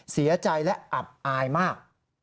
เสียใจและอับอายมาก